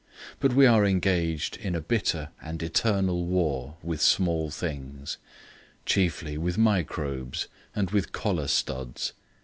But we are engaged in a bitter and eternal war with small things; chiefly with microbes and with collar studs.